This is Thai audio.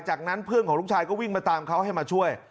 จากนั้นเพื่อนของลูกชายก็วิ่งมาตามเขาให้มาช่วย